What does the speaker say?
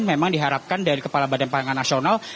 memang diharapkan dari kepala badan pangan nasional